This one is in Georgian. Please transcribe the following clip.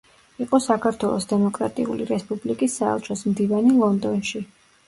იყო საქართველოს დემოკრატიული რესპუბლიკის საელჩოს მდივანი ლონდონში.